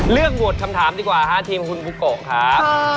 เลือกรวดคำถามดีกว่าครับทีมคุณปุ๊กโกค่ะ